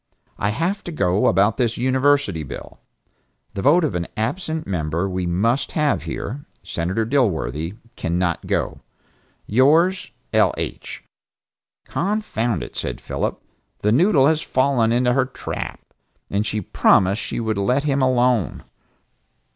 I have to go about this University bill, the vote of an absent member we must have here, Senator Dilworthy cannot go. Yours, L. H." "Confound it," said Phillip, "the noodle has fallen into her trap. And she promised she would let him alone."